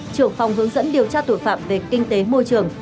trưởng phòng hướng dẫn điều tra tội phạm về kinh tế môi trường